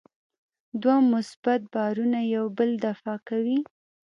دوه مثبت بارونه یو بل دفع کوي.